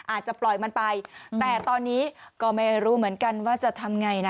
อาจจะปล่อยมันไปแต่ตอนนี้ก็ไม่รู้เหมือนกันว่าจะทำไงนะ